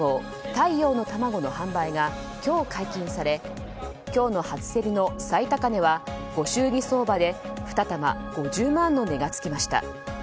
太陽のタマゴの販売が今日解禁され今日の初競りの最高値はご祝儀相場で２玉５０万の値が付きました。